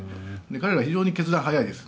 彼ら非常に決断が早いです。